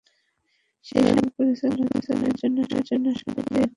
সেই সঙ্গে ব্যাংক পরিচালনার জন্য সঠিক ব্যক্তিদের নিয়োগদানে সরকারের সক্ষমতা প্রশ্নের সম্মুখীন।